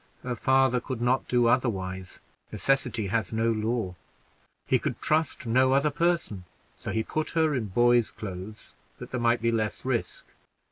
"Her father could not do otherwise. Necessity has no law. He could trust no other person, so he put her in boys' clothes that there might be less risk.